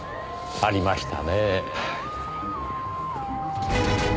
ありましたねぇ。